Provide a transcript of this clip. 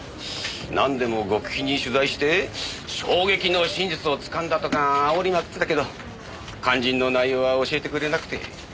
なんでも極秘に取材して衝撃の真実をつかんだとかあおりまくってたけど肝心の内容は教えてくれなくて。